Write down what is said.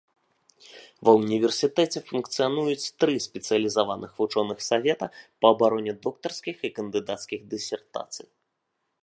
Ва ўніверсітэце функцыянуюць тры спецыялізаваных вучоных савета па абароне доктарскіх і кандыдацкіх дысертацый.